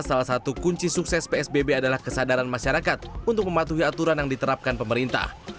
salah satu kunci sukses psbb adalah kesadaran masyarakat untuk mematuhi aturan yang diterapkan pemerintah